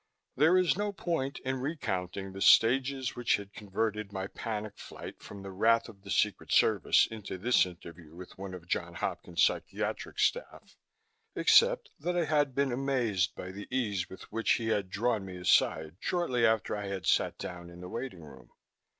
There is no point in recounting the stages which had converted my panic flight from the wrath of the Secret Service into this interview with one of Johns Hopkins psychiatric staff, except that I had been amazed by the ease with which he had drawn me aside shortly after I had sat down in the waiting room.